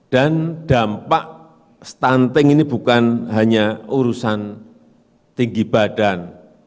dan dampak stunting ini bukan hanya urusan tinggi badan